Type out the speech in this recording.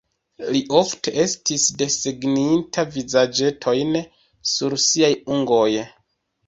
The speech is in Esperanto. Li ofte estis desegninta vizaĝetojn sur siaj ungoj.